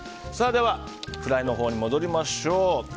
では、フライのほうに戻りましょう。